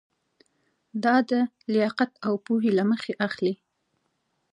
دا د لیاقت او پوهې له مخې اخلي.